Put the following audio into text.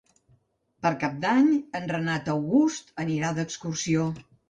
Per Cap d'Any en Renat August anirà d'excursió.